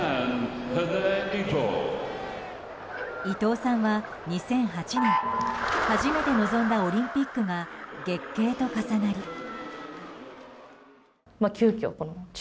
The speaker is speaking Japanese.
伊藤さんは２００８年初めて臨んだオリンピックが月経と重なり。